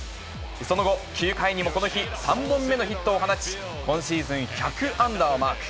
その後、９回にもこの日、３本目のヒットを放ち、今シーズン１００安打をマーク。